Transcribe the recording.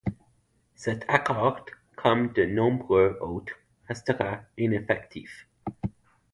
Cet accord comme de nombreux autres restera ineffectif.